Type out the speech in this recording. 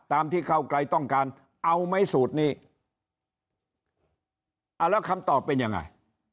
ที่เก้าไกลต้องการเอาไหมสูตรนี้อ่าแล้วคำตอบเป็นยังไง